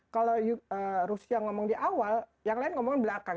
kalau rusia ngomong di awal yang lain ngomong belakang